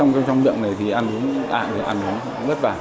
còn trong miệng này thì ăn uống lạ ăn uống vất vả